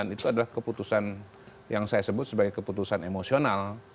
itu adalah keputusan yang saya sebut sebagai keputusan emosional